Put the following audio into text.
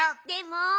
でも。